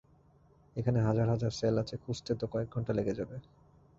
এখানে হাজার হাজার সেল আছে, খুঁজতে তো কয়েক ঘণ্টা লেগে যাবে।